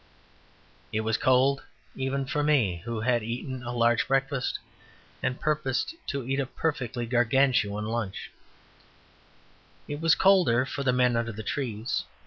It was cold even for me, who had eaten a large breakfast and purposed to eat a perfectly Gargantuan lunch; it was colder for the men under the trees.